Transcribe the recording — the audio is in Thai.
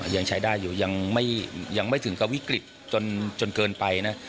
ยังใช้ได้อยู่ยังไม่ถึงกับวิกฤตจนเกินไปนะ